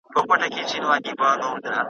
دا موضوع باید عادي وکتل شي.